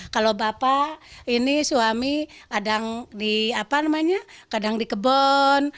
kalau bapak ini suami kadang di kebun